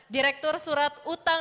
direktur surat utang